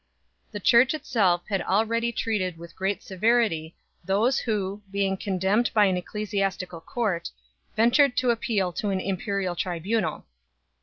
The Church itself had already treated with great severity those who, being condemned by an ecclesiastical court, ventured to appeal to an imperial tribunal 4